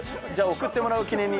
送ってもらう記念に。